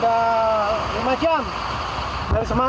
dari mana mau kemana